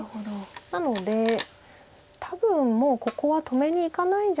なので多分もうここは止めにいかないんじゃないかなと。